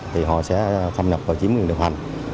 thì họ sẽ thâm nhập vào chiếm quyền điều hành